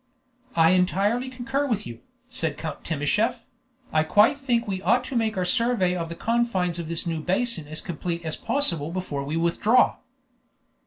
"I entirely concur with you," said Count Timascheff. "I quite think we ought to make our survey of the confines of this new basin as complete as possible before we withdraw."